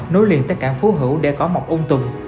nối liền tới cảng phú hữu để có mọc ôm tùng